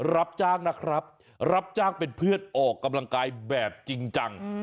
รับจ้างนะครับรับจ้างเป็นเพื่อนออกกำลังกายแบบจริงจัง